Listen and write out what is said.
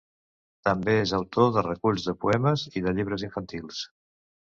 També és autor de reculls de poemes i de llibres infantils.